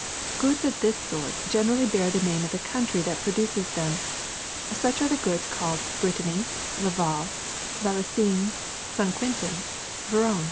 *^ Goods of this sort generally bear the name of the country that produces them: such are the goods called Brittany, Laval, Valenciennes, Saint Quentin, Voiron.